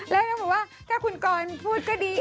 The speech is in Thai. แล้วเขาบอกว่าถ้าคุณกรรณ์พูดก็ดี